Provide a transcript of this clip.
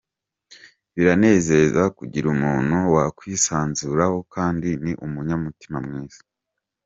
Biranezeza kugira umuntu wakwisanzuraho kandi ni umunyamutima mwiza”.